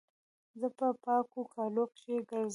زه په پاکو کالو کښي ګرځم.